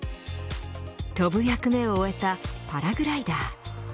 飛ぶ役目を終えたパラグライダー。